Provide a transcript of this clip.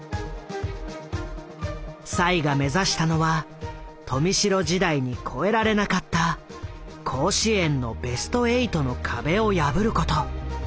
栽が目指したのは豊見城時代に越えられなかった甲子園のベスト８の壁を破ること。